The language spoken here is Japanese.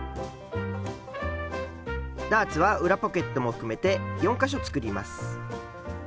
ダーツは裏ポケットも含めて４か所作ります。